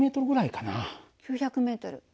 ９００ｍ。